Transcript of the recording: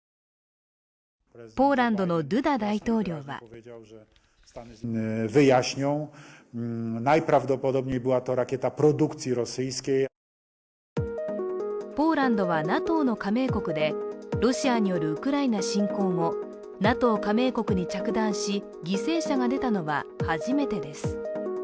ポーランドのドゥダ大統領はポーランドはＮＡＴＯ加盟国でロシアによるウクライナ侵攻後ＮＡＴＯ加盟国に着弾し、犠牲者が出たのは初めてです。